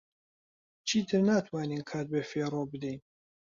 چیتر ناتوانین کات بەفیڕۆ بدەین.